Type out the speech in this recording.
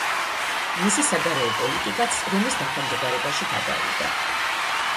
მისი საგარეო პოლიტიკაც რომის დაქვემდებარებაში გადავიდა.